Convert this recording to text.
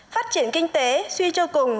phát triển kinh tế suy cho cùng